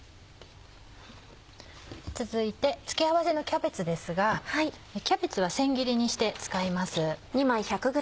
続いて付け合わせのキャベツですがキャベツは千切りにして使います。